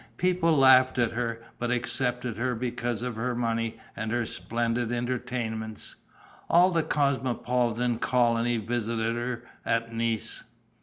People laughed at her but accepted her because of her money and her splendid entertainments. All the cosmopolitan colony visited her at Nice.